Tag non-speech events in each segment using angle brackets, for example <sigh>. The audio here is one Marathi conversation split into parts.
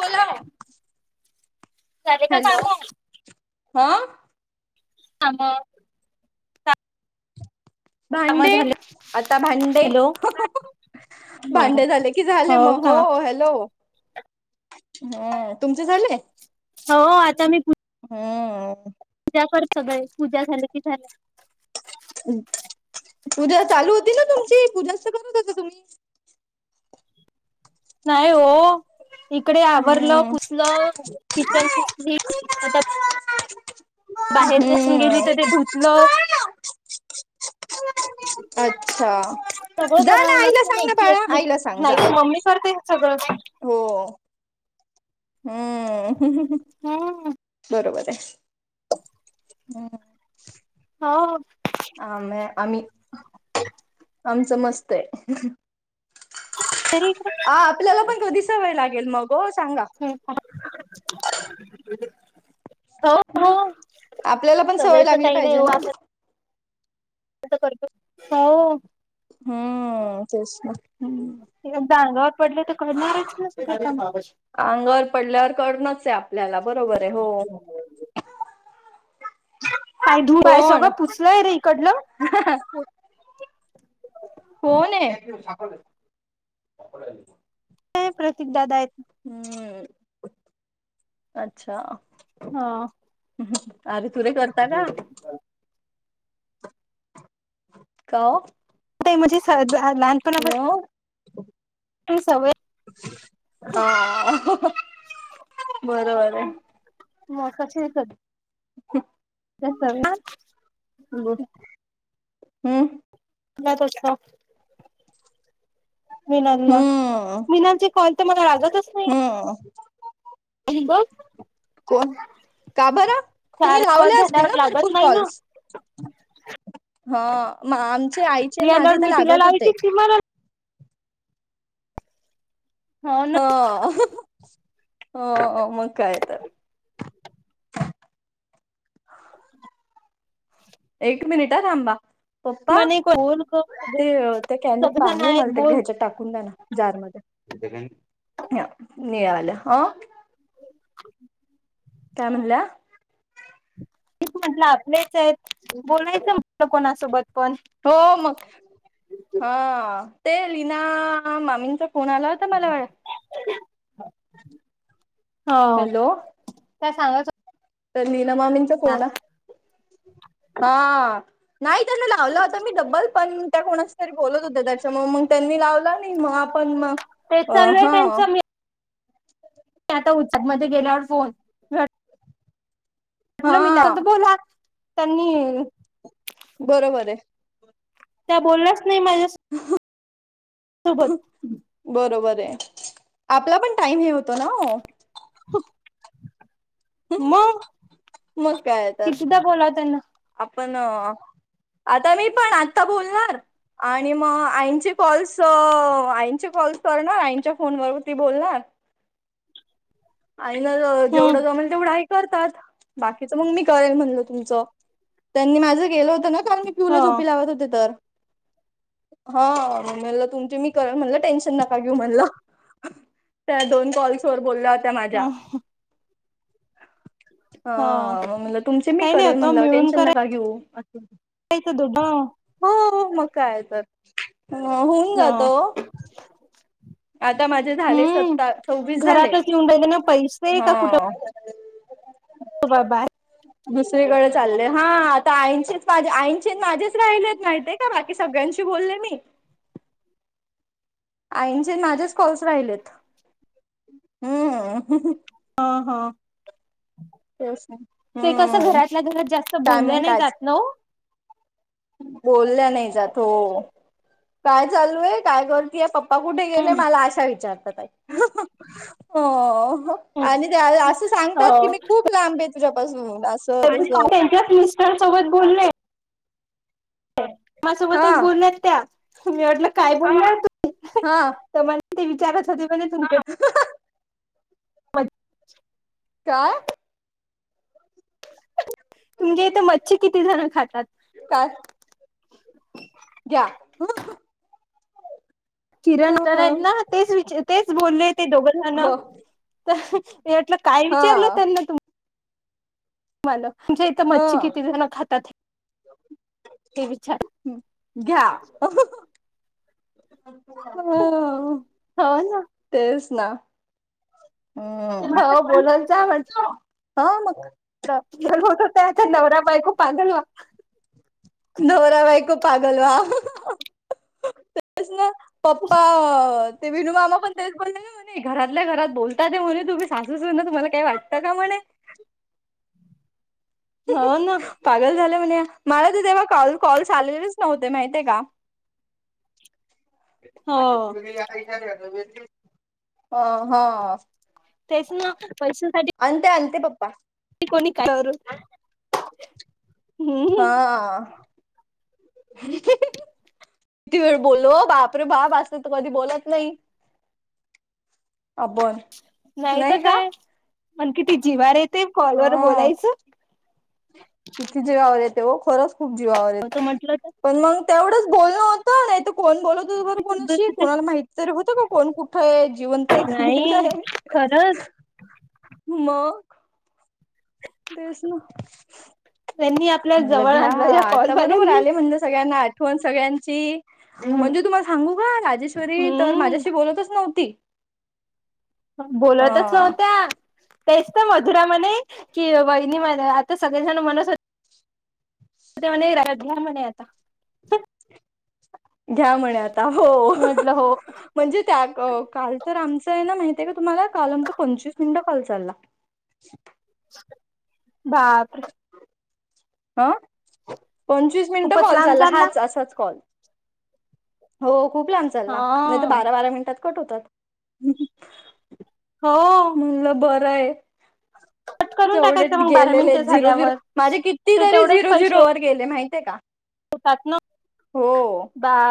फलाव झाले का हॅलो कामं? हा आम कामं भांडे झाले आता भांडे हॅलो. हो भांडे झाले की झाले मग हो हॅलो ह तुमचं झालंय हो आता मी हा पूजा कर सगळे पूजा झाले की झाले पूजा चालू होती ना तुमची पूजा करूत का तुम्ही नाही हो इकडे आवरलं हम्म पुसलं किचन पुसली आता बाहेर पसून गेली हम्म तर ते धुतलं-' अच्छा सगळं जा करावं ना आईला सांग ना लागत बाळा न आईला सांग जा लाईक मम्मी करते सगळं हो हम्म हम्म बरोबर आहे हम्म हो आम आम्ही अ <inaudible> आमचं मस्त आहे तरी हो ह आपल्याला पण कधीसवय लागेल मग हो सांगा <unintelligible> हो हो आपल्याला पण सवय सवयच लागली काही नाही पाहिजे हो ना असं करत हो हम्म तेच ना ह् जांगाववर पडलं तर करणारच नसत अंगवर पडल्यावर करणच आहे आपल्याला बरोबर आहे हो हो माहि धू आहे सगळं कोण पुचलंय रे इकडलं <inaudible> होण आहे काय प्रतीकदाादा आहेत हम्म अच्छा. हा अरे तुरे करता का. का ओ म्हणजे लहानपणा मग सवय हा बरोबर आहे मग कशी तद खूप त्या <unintelligible> मं हं तुलाच असत मिनलला मिनालचे कॉल त मला लागतच हम्म अनींग कोण का बर तुम्ही चार कॉल लावले असतील झाल्यावर ना लागत भरपूर नाही ना कॉल्स हा म आमचे आईचे मी आणि माझे आल्यावर त मी तिला लागत लावायची होते. ती मला हो ना अ -हो मग काय तर एक मिनिट हं थांबा पप्पा म्हणे बोल ग सगळे ते त्या कॅनीत पाणी सगळेजण आहे आहेत मला त्या बोल घ्यायच्यात टाकून द्या ना जार मध्ये तिथं काय न्य नी आल्या काय म्हणल्या आपलेच आहेत बोलायचं म्हटलं कोणासोबत पण हो मग हा ते लीना मामींचा फोन आला हो तुम्हाला व्हय हो त्या सांगायचं त्या लीना मामींचा फोन ना हा नाही त्यांना लावला होता मी डब्बल पण त्या कोणाशी तरी बोलत होत्या त्याच्यामुळ मंग त्यांनी लावलं नई मंग आपण मंग तेच चालू आहे त्याचं मी ते आत उचल मध्ये गेल्यावर फोन म्हंटल मी <inaudible> हा तरबोला त्यांनी बरोबरये. त्या बोलल्याच नाई माझ्या <unintelligible> सोबत बरोबरये आपला पण टाईम हे होतो ना ओ <unintelligible> मग मग काय तर कितीदा बोलाव त्यांना आपण आता मी पण आत्ता बोलणार आणि म आईचे कॉल्स आईचे कॉल्स करणार आईंच्या फोनवरती बोलणार आई ना हम्म जेवढं जमल तेवढं आई करतात बाकीच मंग मी करेन म्हणलं तुमच त्यांनी माझं केलं होतं ना कारण मी पिऊ ह ला झोपी लावत होते तर हा म म्हणलं तुमची मी करन म्हणलं टेन्शन नका घेऊ म्हणलं. त्या दोन कॉल्स वर बोलल्या होत्या ह माझ्या. ह म म्हणलं तुमचे मी काही नाही करेल होत म्हणलं टेन्शन नका घेऊ अस होत. एक दोघा हो मग काय तर हं होऊन जात ओ आता माझे झाले हम्म सत्ता सव्वीस झाले. घरातच येऊन राहिले ना पैसे हं <unintelligible> ते बाय बाय दुसरीकडे चालले हा आता आईचेच माझे आईचे माझेच राहिलेत माहीतीये. हा बाकी सगळ्यांशी बोलले मी आईंचे नं माझेच कॉल्स राहिलेत हम्म अहं तेच ना ते कस हम्म घरातल्या घरात जास्त काय मग बोललं नाय काय जात ना ओ. बोलल्या नाही जात हो काय चालू आहे काय करतीय पप् प्पा कुठे गेले हम्म मला अशा विचारतातआई. हो आणि असं सांगतात की हो मी खूप लांबे तुझ्यापासून होन त्यांच्याच मिस्टर सोबत बोलले. मा हा सोबतच बोलल्यात त्या मी वाटलं काय बोलणारम् हा. तर मला ते विचारच होते पण तु मजा <unintelligible> काय. तुमजे इथे मच्छी किती जण खातात काय द्या किरण करायत ना तेच विचार तेच बोलले ते दोघंजना मी विचार ल काय हा विचारलं त्यांना तुम्. माल तुमच्या इथं ह मच्छी किती जण खातात हे विचार घ्या अच् <unintelligible> हो ना तेच ना हो बोलायला जा म्हटलं हा मग होत त्या नवरा बायको पागल होल. नवरा बाईक पागलवाच नातेचन पप्पा ते विनू मामा पण तेच बोले. नाही घरातल्या घरात बोलता ते म्हणे तुम्ही सासू ना तुम्हाला काय वाटतं का म्हणे. हो ना पागल झालं म्हण मला तर तेव्हा कॉल कॉल चाललेलेच नव्हते माहिितय का. हो माझ्या पुढ ग हा हा तेच ना पैशांसाठी आनते आनते पप्पा कोणी का हा. किती वेळ बोललो बापरे बाप असत तर कधी बोलत नाही. आपण नाही ग काय आण किती जिवार येते कॉलवर बोलायचं. कीती जीवावर येते वो खरंच खूप जीवावर होत येते म्हटलं पण मग तेवढंच बोलण होत. हा नाही त कोण बोलत बर कोणाशी तर कुणाला माहित तरी होतं का कोण कुठं ये आहे जीवन ते एक नाही मेलये खरंच मग तेचन त्यांनी आपल्या जवळ आणलं या आता बरोबर कॉलपाल्यानी आले म्हणलं सगळ्यांना आठवण सगळ्यांची म्हणजे तुम्हाला सांगू का राजेश्वरी तर हम्म माझ्याशी बोलतच नव्हती. ह बोलतच नव्हत्या तेच तर मधुरामध्ये कि वहिनी म सगळेजण मन राय घ्या म्हणा आ घ्या म्हणे आता हो. मी म्हटलं हो म्हणजे त्या काल तर आमचं आहे ना माहिित आहे का तुम्हाला काल आमच पंचवीस मिनिटं काल चालला. हका <unintelligible> बापरे हं पंचवीस मिनिटं खूपच कॉल लांब चाला चालला हाच असाच कॉल हो खूप लाहंब चालला नाही तर हा बारा बारा मिनिटात कट होतात. हो. मुल बरं ये. कट करून जेवढे ट टाकायचं मग बारा गेलेले मिनिटे झिरो झिरो झाल्यावर माझे किती ते तरी झिरो झिरो वर गेले माहतीे ये का.. त्यातन. हो. का.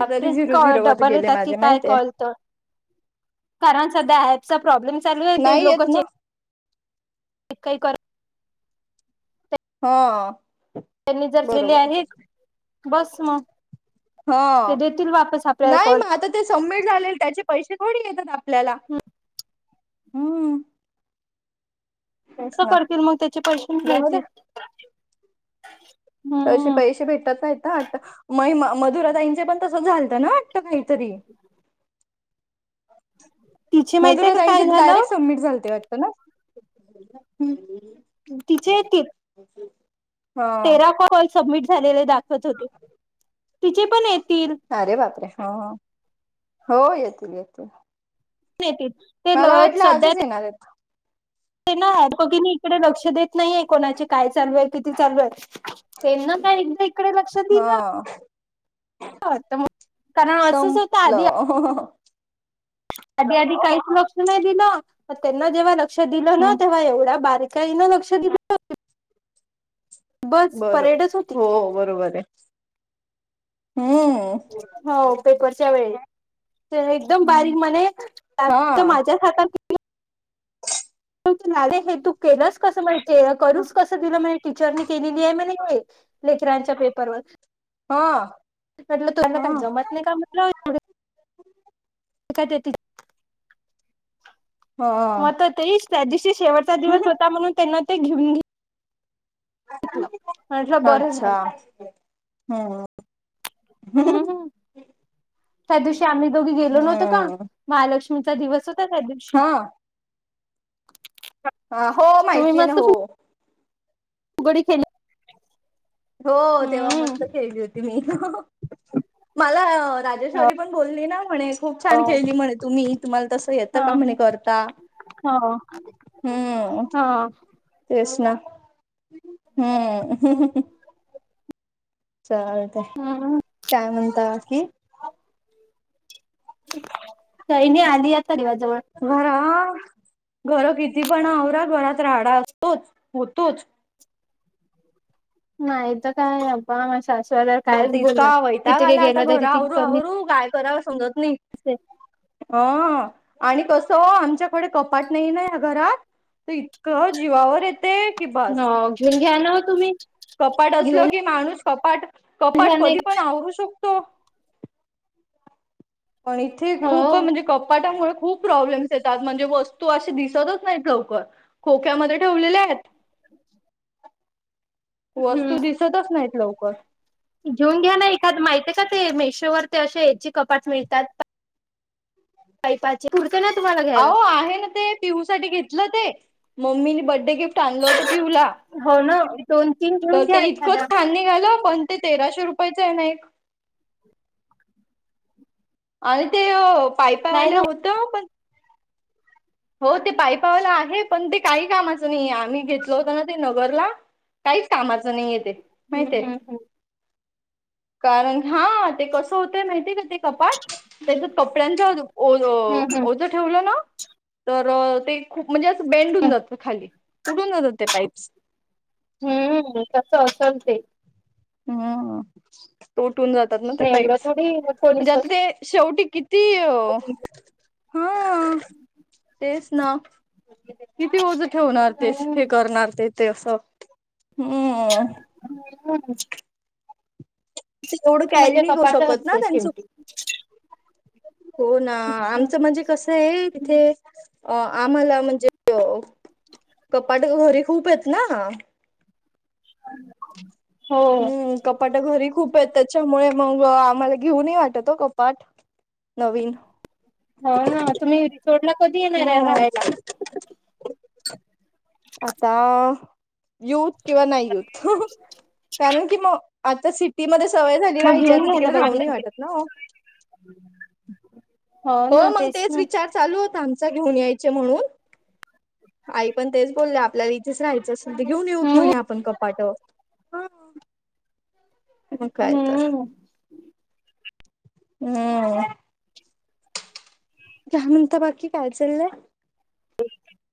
बापरे झिरो इतक झिरो वर डबर गेले येतात की माझे काय माहितय कलतर. कारण सध्या अँप चा प्रॉब्लेम चालू ये ते नाही लोक येत ना चेक. काही कर. ह अ. त्यांनी जर केली आहेक बस मग. ह ते देतील वापस आपल्याला नाही कॉल म अतत. ते सबमिट झाले त्याचे पैसे थोडी येतात आपल्याला हम्. कस करतील मग त्याचे पैसे जाऊ द्या मितील. तसे पैसे भेटत नाहीत आट महीमा मधुरा ताईंचे पण तसं झालतं ना वाटत काहीतरी. तिचे माहितीय का मधुराताईचे काय झालं डायरेक्ट सबमिट झालते वाटतं ना. हम. तिचे तीप. उ हम. तेरा कॉल सबमिट झालेले दाखवत होते तिचे पण येतील. अरे बापे ह ह. हो येतील येतील. नेतील. मला वाटलं आजच येणार आहेत. ते ना दोघीनी इकडे लक्ष देत नाहीये कोणाचे काय चालू आहे किती चालू आहेत. त्याना का एकदा इकडे लक्ष दिल. हा ग कारण असंच होत आधी. हो हो हो. आधी आधी काहीच लक्ष नाही दिलं त्यांना जेव्हा लक्ष दिलं ना हम् तेव्हा एवढ्या बारीक. त्या ना लक्ष दिलं. बस बरो परेडच होती हो बरोबर आहे हम्. हो पेपरच्या वेळे एकदम बारीक म्हने हा माझ्या हातात. ले हे तू केलंस कसं माहि करूस कसं दिलं माहि. टीचरने केलेली आहे म्ह हे लेकरांच्या पेपरवर. हा. टीचर ला तुमला हा काय जमत नाही का म्हटलं. का. <inaudible> हा म आता तेइश त्या दिवशी शेवटचा दिवस होता म्हणून त्यांना ते घेऊने घे म्हटलं बरं अच्छा झालं हम्म हं हं. हम्म त्या दिवशी आम्ही दोघी गेलो नव्हतो का हम्म महालक्ष्मीचा दिवस होता त्या दिव हा. हा हो तुम्ही माहितीये ना मस्त हो. फुगडी खेली. हो तेव्हा हम्म मस्त खेळली होती मी मला रात्र. हो राजेश्वरी पण बोलली ना म्हणे खूप छान खेळली म्हणे तुम्ही तुम्हाला तसं येतं का म्हणे करता. ह हम्म हा. तेच ना हम्म. चालते हम्म काय म्हणता बाकी. काही नाही आधी आता दिवस जवळ. बरा घर किती पण आवरा घरात राहाडा असतोच होतोच. नाही तर काय अ्बा मा शासू. माणता इतका वैता ग आला आता घर तरी ती आवरू कमी आवरू गय करा समजात. ओ. आणि कसं, आमच्याकडे कपाट नाही ना या घरात. त इतकं जीवावर येत. हो घेऊन घ्या ना ओ तुम्ही. कपाट असलं घेऊन की माणूस, कपाट कपाट घ्या ना कधी पण आवरू शकतो. पण इथे खूप हो म्हणजे, कपाटामुळे खूप प्रॉब्लेम्स येतात. म्हणजे वस तू असे दिसतच नाही लवकर. खोक्यामध्ये ठेवलेले आहेत. वस्तू दिसतच नाहीत. लवकर. घेऊन घ्या ना एखाद माहिते का ते. मेशोवर ते अे याची कपाट मिळतात. पाईपाचे पुडतं ना तुम्हाला. घ्यायला अहो आहे ना ते. पिहू साठी घेतलं ते. मम्मीने बड्डे गिफ्ट आणलं होतं पिहू ला. हो ना. दोन तीन. तर घेऊन घ्या ते इतकं एखादा छान निघालं. पण ते तेराशे रुपयाचंय ना एक. आणि ते नाही पायपावाले ना होते. हो ते पाईपावाला आहे. पण ते काही कामाचं नाही. आम्ही घेतल होत ना ते नगरला. काहीच कामाचं नाहीये तेे. हम्म माहिते. हम्म कारण हा ते कस होतय माहितीय का ते कपा ह. <unintelligible> त्याच्या कपड्यांच्या ओ हम्म ओझं ठेवलं ना. तर ते खूप म्हणजे असं बेंड होउन जात खाली. तुटून जातात ते पाईप्स. हम्म तस असेल ते. हम्म. तोटून जातात ना ते एवढं पाईप्स. थोडी कोणी म्हणजे आता स्वस्त ते शेवटी किती ती, देईल. हा, तेच ना. किती ओज ठेवणार. ते हम्म हे करणार. ते ते असं. हम्म. ह्. <unintelligible> ते एवढं कॅरी म्हणजे नाही करू कपाटच शकत ना. असते त्यांचं. शेवटी हो ना. आमचं म्हणजे कसंये. इथे अ आम्हाला म्हणजे कपाट घरी खूपेत ना. हो हम्म कपाट घरी खूपेत. त्याच्यामुळे मग आम्हाला घेऊनही वाटत कपाट. नवीन. हो ना. तुम्ही रिसोडला कधी येणारे या हम्म राहायला. आता येवूथ किंवा नाही येवूथ. कारण की मग आता सि टी मध्ये सवय झाली मग राहायची. घेऊन आता राहायला तिकडे पाहिजे राहूनही तिकडे. वाटत ना ओ. हो ना. मग तेच ना. विचार चालू होत आमचा. घेऊन यायचे म्हणून. आई पण तेच बोलल्या आपल्याला इ थेच राहायचं असेन त घेऊन येऊत हम्म म्हणे आपण कपाट. मग कायतर. हम्म. हम्म. का म्हणता बाकी. काय चाललंय?